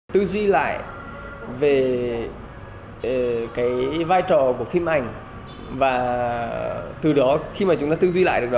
tư duy lại về cái vai trò của phim ảnh và từ đó khi mà chúng ta tư duy lại được đó